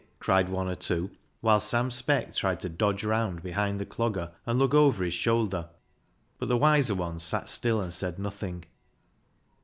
cried one or two, whilst Sam Speck tried to dodge round behind the Clogger, and look over his shoulder. But the wiser ones sat still and said nothing.